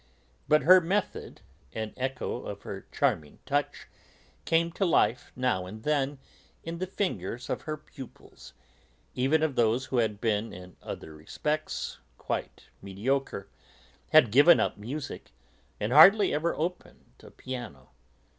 But her method, an echo of her charming touch, came to life now and then in the fingers of her pupils, even of those who had been in other respects quite mediocre, had given up music, and hardly ever opened a piano.